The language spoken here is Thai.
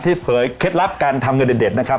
เผยเคล็ดลับการทำเงินเด็ดนะครับ